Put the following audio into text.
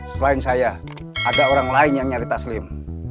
selain saya ada orang lain yang nyalir taslim